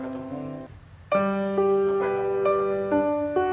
apa yang kamu rasakan